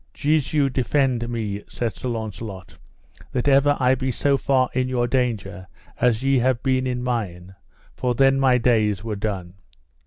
Jesu defend me, said Sir Launcelot, that ever I be so far in your danger as ye have been in mine, for then my days were done.